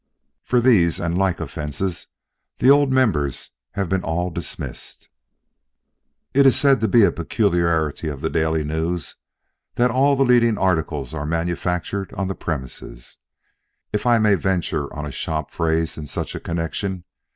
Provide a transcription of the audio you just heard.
For these and the like offences the old members have been all dismissed. It is said to be a peculiarity of the Daily News that all the leading articles are manufactured on the premises, if I may venture on a shop phrase in such a connection.